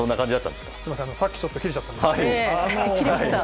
すみません、さっき、ちょっと切れちゃったんですけど。